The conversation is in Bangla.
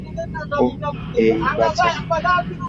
ওহ, হেই, বাছা।